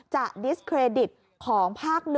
ดิสเครดิตของภาค๑